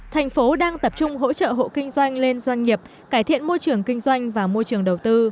thành phố đang tập trung hỗ trợ hộ kinh doanh lên doanh nghiệp cải thiện môi trường kinh doanh và môi trường đầu tư